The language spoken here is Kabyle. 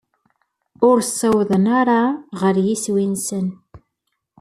Ur ssawḍen ara ɣer yiswi-nsen.